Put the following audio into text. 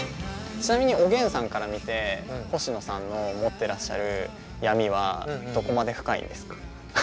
ちなみにおげんさんから見て星野さんの持ってらっしゃる闇はどこまで深いんですか。